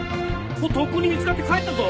とっくに見つかって帰ったぞ。